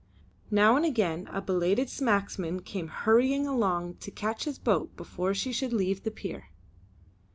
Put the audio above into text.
Now and again a belated smacksman came hurrying along to catch his boat before she should leave the pier.